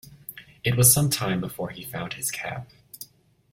It was some time before he found his cap.